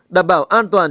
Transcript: đảm bảo an toàn